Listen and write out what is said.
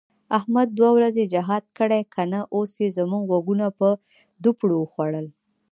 احمد دوه ورځې جهاد کړی که نه، اوس یې زموږ غوږونه په دوپړو وخوړل.